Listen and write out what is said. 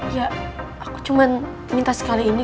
ya aku cuma minta sekali ini